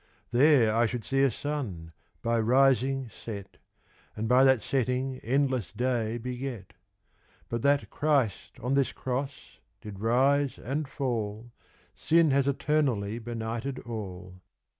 There I should see a Sunne, by rising set, And by that setting endlesse day beget; But that Christ on this Crosse, did rise and fall, Sinne had eternally benighted all.